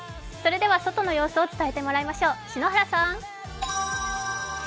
外の様子を伝えてもらいましょう、篠原さん。